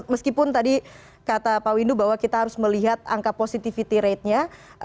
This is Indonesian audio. meskipun tadi kata pak windu bahwa kita harus melihat angka positivity ratenya